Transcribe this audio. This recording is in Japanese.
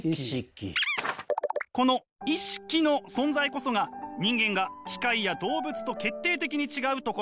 この意識の存在こそが人間が機械や動物と決定的に違うところ。